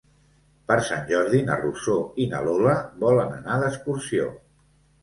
Per Sant Jordi na Rosó i na Lola volen anar d'excursió.